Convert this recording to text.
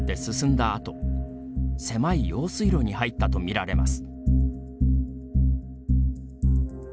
あと狭い用水路に入ったとみられます。